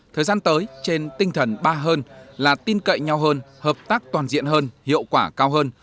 thời gian tới trên tinh thần ba hơn là tin cậy nhau hơn hợp tác toàn diện hơn hiệu quả cao hơn